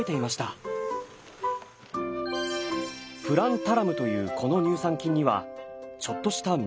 プランタラムというこの乳酸菌にはちょっとしたミステリーがあります。